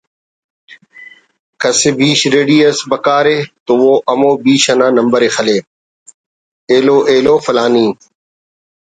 کسءِ بیش ریڑی اس بکار ءِ تو او ہمو بیش نا نمبرءِ خلے……ہلو ہلو فلانی